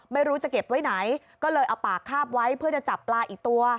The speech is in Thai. ไม่รู้จะเก็บไว้ไหนก็เลยเอาปากคาบไว้เพื่อจะจับปลาอีกตัว